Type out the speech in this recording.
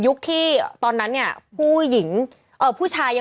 เป็นการกระตุ้นการไหลเวียนของเลือด